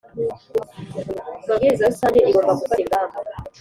Mabwiriza rusange igomba gufata ingamba